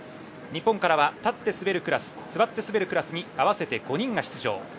日本からは立って滑るクラス座って滑るクラスに合わせて５人が出場。